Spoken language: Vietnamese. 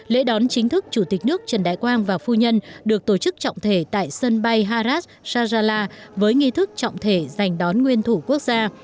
lễ đón chính thức chủ tịch nước trần đại quang và phu nhân được tổ chức trọng thể tại sân bay haras sajala với nghi thức trọng thể giành đón nguyên thủ quốc gia